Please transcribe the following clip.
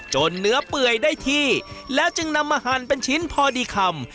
เนื้อเปื่อยได้ที่แล้วจึงนำมาหั่นเป็นชิ้นพอดีคำ